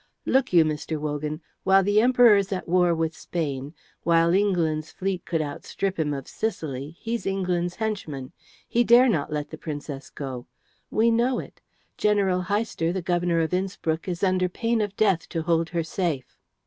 "Look you, Mr. Wogan; while the Emperor's at war with Spain, while England's fleet could strip him of Sicily, he's England's henchman. He dare not let the Princess go. We know it. General Heister, the Governor of Innspruck, is under pain of death to hold her safe."